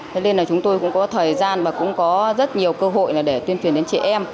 thế nên là chúng tôi cũng có thời gian và cũng có rất nhiều cơ hội là để tuyên truyền đến trẻ em